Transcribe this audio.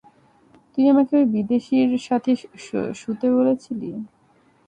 তুই আমাকে ওই বিদেশীর সাথে শুতে বলেছিলি।